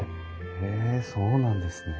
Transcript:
へえそうなんですね。